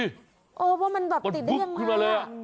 เออว่ามันแบบติดได้ยังไง